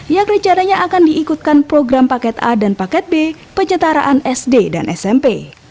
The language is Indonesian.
yang rencananya akan diikutkan program paket a dan paket b penyetaraan sd dan smp